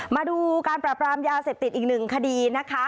มาดูการปราบรามยาเสพติดอีกหนึ่งคดีนะคะ